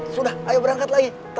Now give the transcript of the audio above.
sudah ayo berangkat lagi